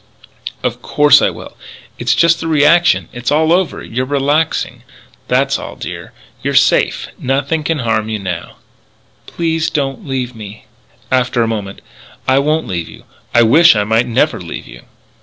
"Of course I will. It's just the reaction. It's all over. You're relaxing. That's all, dear. You're safe. Nothing can harm you now " "Please don't leave me." After a moment: "I won't leave you.... I wish I might never leave you."